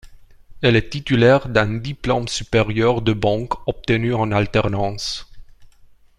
Elle est titulaire d'un diplôme supérieur de banque obtenu en alternance.